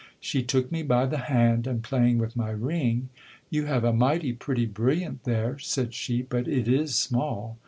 She took me by the hand, and playing with my ring, You have a mighty pretty brilliant there, said she, but it is small.